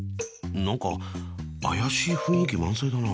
何か怪しい雰囲気満載だな。